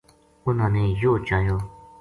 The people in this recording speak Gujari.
اُنھاں نے یوہ چایو